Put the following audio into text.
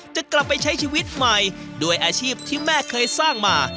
จะกลับไปใช้ชีวิตใหม่ด้วยอาชีพที่แม่เคยสร้างมา